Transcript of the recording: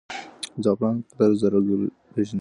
زعفرانو قدر زرګر پېژني.